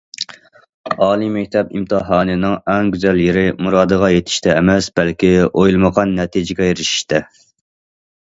ئالىي مەكتەپ ئىمتىھانىنىڭ ئەڭ گۈزەل يېرى مۇرادىغا يېتىشتە ئەمەس، بەلكى ئويلىمىغان نەتىجىگە ئېرىشىشتە.